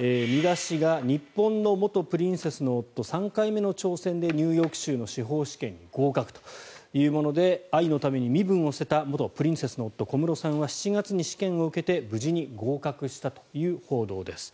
見出しが日本の元プリンセスの夫３回目の挑戦でニューヨーク州の司法試験に合格というもので愛のために身分を捨てた元プリンセスの夫・小室さんは７月に試験を受けて無事に合格したという報道です。